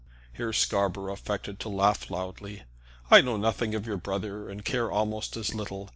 Here Scarborough affected to laugh loudly. "I know nothing of your brother, and care almost as little.